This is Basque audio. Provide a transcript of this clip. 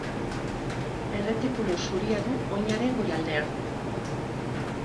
Erretikulu zuria du oinaren goialdean.